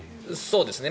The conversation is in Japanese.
そうですね。